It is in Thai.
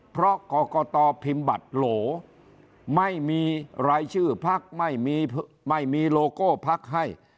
เพราะกรกตพิมพ์บัตรโหลไม่มีรายชื่อพักไม่มีไม่มีโลโก้พักให้